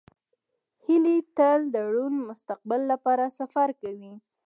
هیلۍ تل د روڼ مستقبل لپاره سفر کوي